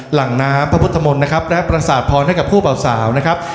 หลังน้ำพระพุทธมนตร์นะครับและประสาทพรให้กับผู้เบาสาวนะครับ